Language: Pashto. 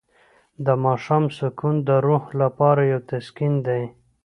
د ماښام سکون د روح لپاره یو تسکین دی.